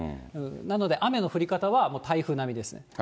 なので、雨の降り方はもう台風並みです。